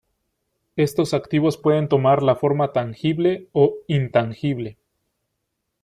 Estos activos pueden tomar la forma tangible o intangible.